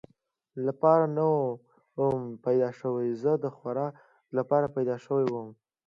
لپاره نه ووم پیدا شوی، زه د خوراک لپاره پیدا شوی ووم.